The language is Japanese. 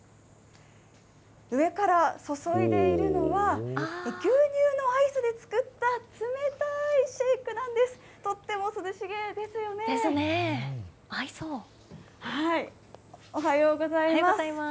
上から注いでいるのは、牛乳のアイスで作った冷たいシェイクなんです。ですね。おはようございます。